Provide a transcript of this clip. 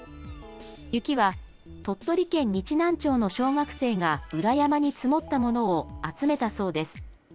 雪は鳥取県日南町の小学生が、裏山に積もったものを集めたそうです。